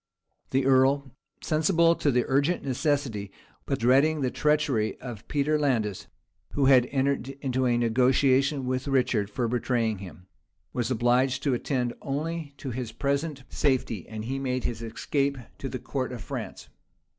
The earl, sensible of the urgent necessity, but dreading the treachery of Peter Landais, who had entered into a negotiation with Richard for betraying him, was obliged to attend only to his present safety; and he made his escape to the court of France.